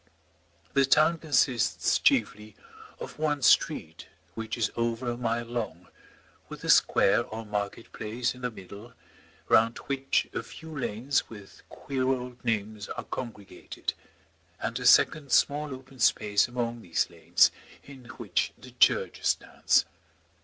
The town consists chiefly of one street which is over a mile long, with a square or market place in the middle, round which a few lanes with queer old names are congregated, and a second small open space among these lanes, in which the church stands.